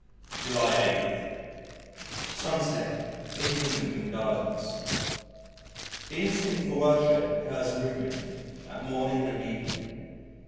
July 8. Sunset in Kensington Gardens The instinct for worship occurs rhythmically at morning and evening.